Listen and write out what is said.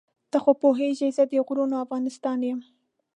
ته خو پوهېږې زه د غرونو افغانستان یم.